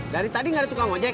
dari tadi gak ada tukang mojek